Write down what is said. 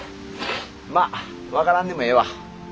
まあ分からんでもええわ。